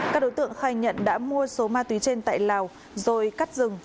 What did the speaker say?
các đối tượng khai nhận đã mua số ma túy trên tại lào rồi cắt rừng